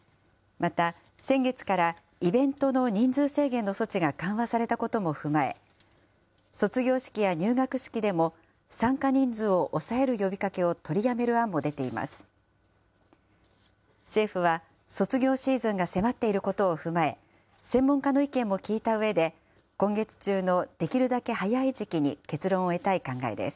また先月からイベントの人数制限の措置が緩和されたことも踏まえ、卒業式や入学式でも参加人数を抑える呼びかけを取りやめる案も出ています。